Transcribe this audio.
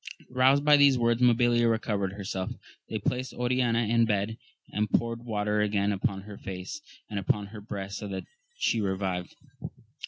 Eoused by these words Mabilia recovered herself; they placed Oriana in bed, and poured water again upon her face and upon her breast, so that she revived.